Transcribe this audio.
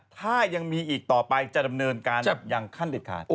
ถ้ายังมีอีกต่อไปจะดำเนินการอย่างขั้นเด็ดขาด